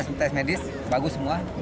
hasil tes medis bagus semua